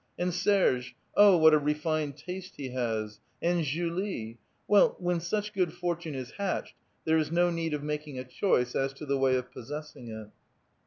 And Serge ! Oh, what a refined taste he has ! And Julie ! Well, when such good fortune is hatched, there is no need of mak ing a choice as to the way of possessing it.